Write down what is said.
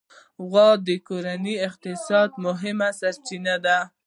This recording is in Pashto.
غوا د کورني اقتصاد مهمه سرچینه ده.